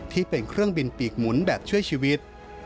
ที่เป็นเครื่องบินปีกหมุนแบบช่วยชีวิต